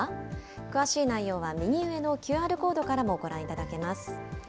詳しい内容は右上のＱＲコードからもご覧いただけます。